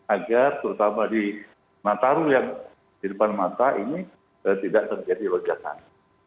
agar terutama di nataru yang di depan mata ini tidak terjadi lonjakan